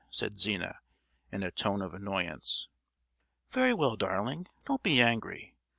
said Zina, in a tone of annoyance. "Very well, darling; don't be angry.